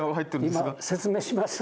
今説明します。